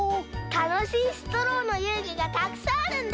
たのしいストローのゆうぐがたくさんあるんだ！